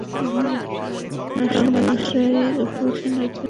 আমরা মানুষরাই উপাসনার জন্য ভগবানের কাছে যাই।